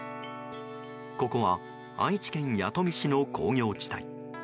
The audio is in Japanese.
ここは愛知県弥富市の工業地帯。